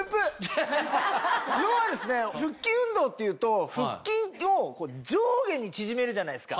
要は腹筋運動っていうと腹筋を上下に縮めるじゃないですか。